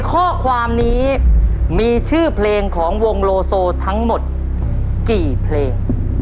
ข้อความนี้มีชื่อเพลงของวงโลโซทั้งหมดกี่เพลง